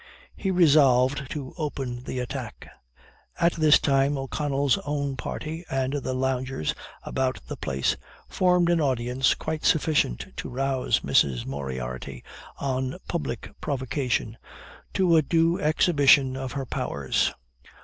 He resolved to open the attack. At this time O'Connell's own party, and the loungers about the place, formed an audience quite sufficient to rouse Mrs. Moriarty, on public provocation, to a due exhibition of her powers.